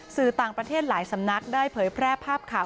สื่อต่างประเทศหลายสำนักได้เผยแพร่ภาพข่าว